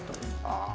ああ。